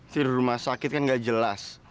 tidur di rumah sakit kan gak jelas